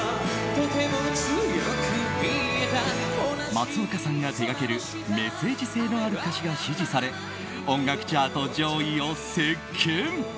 松岡さんが手掛けるメッセージ性のある歌詞が支持され音楽チャート上位を席巻。